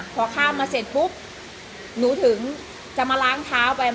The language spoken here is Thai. พอข้ามมาเสร็จปุ๊บหนูถึงจะมาล้างเท้าไป